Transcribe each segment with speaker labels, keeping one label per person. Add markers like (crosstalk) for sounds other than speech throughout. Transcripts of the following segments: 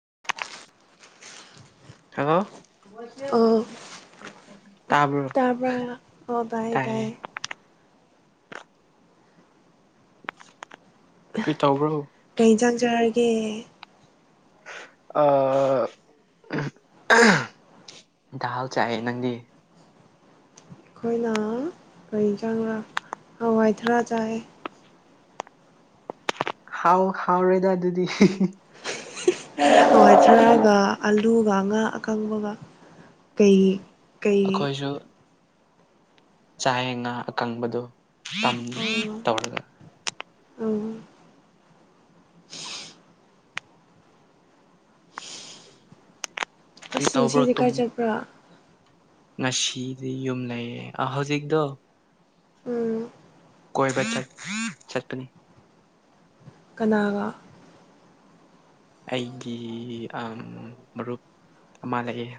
Speaker 1: (unintelligible)
Speaker 2: hello ꯇꯥꯕ꯭ꯔꯣ
Speaker 1: ꯇꯥꯕ ꯑꯣꯗꯥꯥꯏꯗꯥꯏ
Speaker 2: ꯇꯥꯏꯌꯦ ꯀꯩ ꯇꯧꯕ꯭ꯔꯣ
Speaker 1: ꯍꯖꯥꯟꯖꯔꯒꯦ
Speaker 2: ꯑ ꯗꯜ ꯆꯥꯏ ꯅꯪꯗꯤ
Speaker 1: ꯑꯩꯈꯣꯏꯅ ꯀꯔꯤ ꯆꯪꯕ꯭ꯔꯥ ꯍꯋꯥꯏꯊꯔꯥ ꯆꯥꯏ
Speaker 2: ꯍꯥꯎ ꯍꯥꯎ ꯔꯦꯗ ꯑꯗꯨꯗꯤ
Speaker 1: ꯍꯋꯥꯏꯊꯔꯥꯒ ꯑꯥꯂꯨꯒ ꯉꯥ ꯑꯀꯪꯕꯒ ꯀꯩ ꯀꯩ
Speaker 2: ꯑꯩꯈꯣꯏꯁꯨ ꯆ ꯉꯥ ꯑꯀꯪꯕꯗꯣꯝ
Speaker 1: ꯎꯝ
Speaker 2: ꯇꯧꯔꯒ
Speaker 1: ꯎꯝ
Speaker 2: ꯀꯔꯤ
Speaker 1: ꯑꯁ
Speaker 2: ꯇꯧꯕ꯭ꯔꯣ
Speaker 1: ꯉꯁꯤꯗꯤ
Speaker 2: ꯇꯨꯝ
Speaker 1: ꯀꯥꯏ ꯆꯠꯄ꯭ꯔꯣ
Speaker 2: ꯉꯁꯤꯗꯤ ꯌꯨꯝ ꯂꯩꯌꯦꯦ ꯑ ꯍꯧꯖꯤꯛꯇꯛꯇꯣ
Speaker 1: ꯎꯝ
Speaker 2: ꯀꯣꯏꯕ ꯆꯠꯄꯅꯤ
Speaker 1: ꯀꯅꯥꯒꯥ
Speaker 2: ꯑꯩꯒꯤ ꯃꯔꯨꯞ ꯑꯃ ꯂꯩꯌꯦ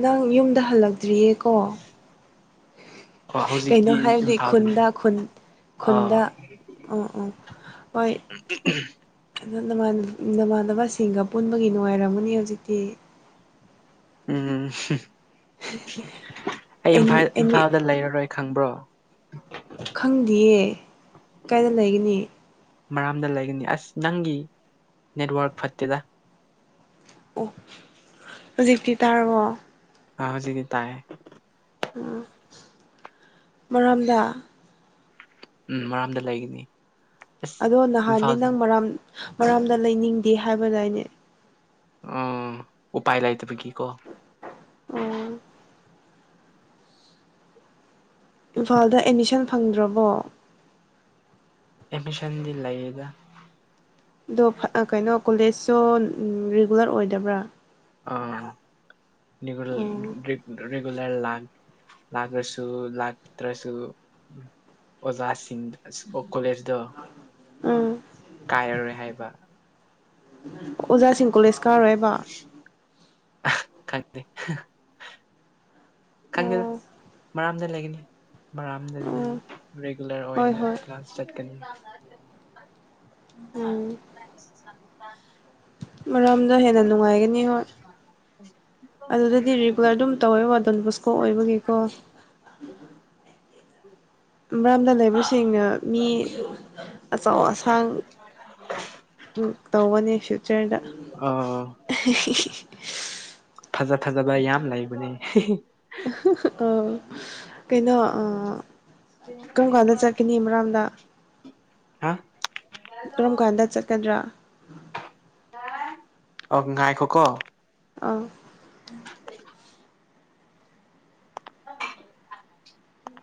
Speaker 1: ꯅꯪ ꯌꯨꯝꯗ ꯍꯜꯂꯛꯇ꯭ꯔꯤꯌꯦ ꯀꯣ
Speaker 2: ꯑ ꯍꯧꯖꯤꯛꯇꯤ ꯏꯝꯐꯥꯜꯗꯅꯤ
Speaker 1: ꯈꯨꯟꯗ ꯈꯨꯟ
Speaker 2: ꯑꯥ
Speaker 1: ꯈꯨꯟꯗ ꯑꯣ ꯑꯣ
Speaker 2: ꯎ
Speaker 1: ꯑꯗꯨ ꯅꯃꯥꯟꯅꯕꯁꯤꯡꯒ ꯄꯨꯟꯕꯒꯤ ꯅꯨꯡꯉꯥꯏꯔꯝꯒꯅꯤ ꯍꯧꯖꯤꯛꯇꯤ
Speaker 2: ꯎꯝ ꯑꯩ ꯏꯝꯐ
Speaker 1: ꯑꯦꯗꯃꯤꯠ ꯑꯦꯗꯃꯤꯠ
Speaker 2: ꯏꯝꯐꯥꯜꯗ ꯂꯩꯔꯔꯣꯏ ꯈꯪꯕ꯭ꯔꯣ
Speaker 1: ꯈꯪꯗꯤꯌꯦ ꯀꯥꯏꯗ ꯂꯩꯒꯅꯤ
Speaker 2: ꯃꯔꯥꯝꯗ ꯂꯩꯒꯅꯤ ꯑꯁ ꯅꯪꯒꯤ ꯅꯦꯠꯋꯥꯔꯛ ꯐꯠꯇꯦꯗ
Speaker 1: ꯑꯣ ꯍꯧꯖꯤꯛꯇꯤ ꯇꯥꯔꯕꯣ
Speaker 2: ꯑ ꯍꯧꯖꯤꯗꯤ ꯇꯥꯏꯌꯦ
Speaker 1: ꯎ ꯃꯔꯣꯝꯗ
Speaker 2: ꯎꯝ ꯃꯔꯝꯗ ꯂꯩꯒꯅꯤ ꯑꯁ
Speaker 1: ꯑꯗꯣ ꯅꯍꯥꯟꯅꯦ
Speaker 2: ꯏꯝꯐꯥꯜ
Speaker 1: ꯅꯪ ꯃꯔꯥꯝ ꯃꯔꯥꯝꯗ ꯂꯩꯅꯤꯡꯗꯦ ꯍꯥꯏꯕꯅꯏꯅꯦ
Speaker 2: ꯎꯝ ꯎꯥꯏ ꯂꯩ ꯇꯕꯒꯤ ꯀꯣ
Speaker 1: ꯑꯣ ꯏꯝꯐꯥꯜꯗ ꯑꯦꯠꯃꯤꯁꯟ ꯐꯪꯗ꯭ꯔꯕꯣ
Speaker 2: ꯑꯦꯃꯤꯁꯟꯗꯤ ꯂꯏꯦꯒ
Speaker 1: ꯑꯗꯣ ꯀꯩꯅꯣ ꯀꯣꯂꯦꯖꯁꯨ ꯔꯤꯒꯨꯂꯔ ꯑꯣꯏꯗꯕ꯭ꯔꯥ
Speaker 2: ꯑ
Speaker 1: ꯎꯝ
Speaker 2: ꯔꯦꯒꯂꯔ ꯂ ꯂꯥꯛꯂꯁꯨ ꯂꯥꯛꯇ꯭ꯔꯁꯨ ꯑꯣꯖꯥꯁꯤꯡꯗꯁꯨ ꯀꯣꯂꯦꯖꯗ
Speaker 1: ꯎꯝ
Speaker 2: ꯀꯥꯏꯔꯔꯣꯏ ꯍꯥꯏꯕ
Speaker 1: ꯑꯣꯖꯥꯁꯤꯡ ꯀꯣꯂꯦꯖ ꯀꯥꯔꯣꯏꯕ
Speaker 2: ꯀꯪ ꯀꯪꯉꯤꯗ
Speaker 1: ꯑꯣ
Speaker 2: ꯃꯔꯥꯝꯗ ꯂꯩꯒꯅꯤ ꯃꯔꯥꯝꯗꯗꯤ
Speaker 1: ꯎꯝ
Speaker 2: ꯔꯤꯒꯨꯂꯔ
Speaker 1: ꯍꯣꯏ
Speaker 2: ꯑꯣꯏꯅ
Speaker 1: ꯍꯣꯏ
Speaker 2: ꯀ꯭ꯂꯥꯟꯁ ꯆꯠꯀꯅꯤ ꯑ
Speaker 1: ꯃꯔꯝꯗ ꯍꯦꯟꯅ ꯅꯨꯡꯉꯥꯏꯒꯅꯤ ꯍꯣꯏ ꯑꯗꯨꯗꯗꯤ ꯔꯤꯒꯨꯂꯔ ꯑꯗꯨꯝ ꯇꯧꯋꯦ ꯋꯥꯗꯣꯟꯕꯨꯁꯀꯣ ꯑꯣꯏꯕꯒꯤꯀꯣ ꯃꯔꯔꯥꯝꯗ ꯂꯩꯕꯁꯤꯡꯅ ꯃꯤ ꯑꯆꯧ ꯑꯁꯥꯡ ꯎꯝ ꯇꯧꯧꯕꯅꯦ ꯁꯆꯦꯗ
Speaker 2: ꯑꯣ ꯐꯖ ꯐꯖꯕ ꯌꯥꯝ ꯂꯩꯕꯅꯦ
Speaker 1: ꯑ ꯀꯩꯅꯣ ꯑ ꯀꯔꯝ ꯀꯥꯟꯗ ꯆꯠꯀꯅꯤ ꯏꯝꯔꯥꯝꯗ
Speaker 2: ꯍꯥ
Speaker 1: ꯀꯔꯝ ꯀꯥꯟꯗ ꯆꯠꯀꯗ꯭ꯔꯥ
Speaker 2: ꯑꯣ ꯉꯥꯏꯈꯣ ꯀꯣ
Speaker 1: ꯑꯥ
Speaker 2: ꯍ